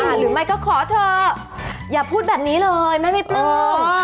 หรือไม่ก็ขอเถอะอย่าพูดแบบนี้เลยแม่ไม่ปลื้ม